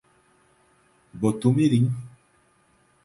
Botumirim